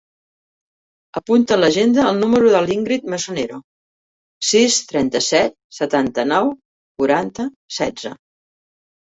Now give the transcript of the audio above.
Apunta a l'agenda el número de l'Íngrid Mesonero: sis, trenta-set, setanta-nou, quaranta, setze.